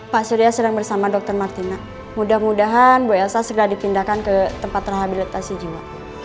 pak surya sedang bersama dr martina mudah mudahan bu elsa segera dipindahkan ke tempat rehabilitasi jiwa